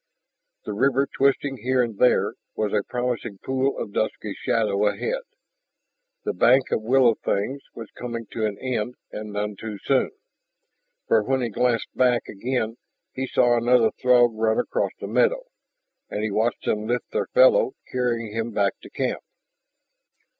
The river, twisting here and there, was a promising pool of dusky shadow ahead. The bank of willow things was coming to an end, and none too soon. For when he glanced back again he saw another Throg run across the meadow, and he watched them lift their fellow, carrying him back to camp.